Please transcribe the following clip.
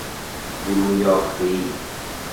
برون یاختهای